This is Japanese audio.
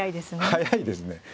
速いですね。